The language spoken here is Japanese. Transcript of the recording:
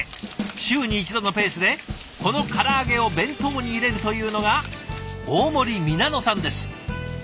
週に１度のペースでこのから揚げを弁当に入れるというのが大森美菜乃さんです。